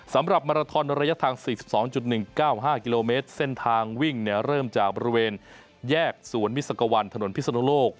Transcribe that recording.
สำหรับมาราทอนระยะทาง๔๒๑๙๕กิโลเมตรเส้นทางวิ่งเริ่มจากบริเวณแยกสวนมิสักวันถนนพิศนุโลก